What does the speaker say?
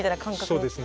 そうですね。